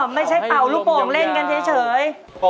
ไม่ใช่เป่ารูปวงเล่นกันเฉย